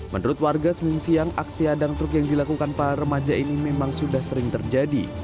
menurut warga senin siang aksi hadang truk yang dilakukan para remaja ini memang sudah sering terjadi